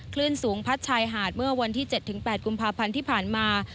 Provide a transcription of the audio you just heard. คลื่นสูงพัดชายหาดเมื่อวันที่๗๘กุมภาพันธ์ที่ผ่านมา